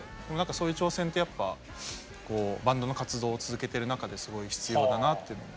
そういう挑戦ってやっぱバンドの活動を続けてる中ですごい必要だなっていうのも。